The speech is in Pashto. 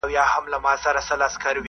چي ټولنه لا هم له ژورو ستونزو سره مخ ده،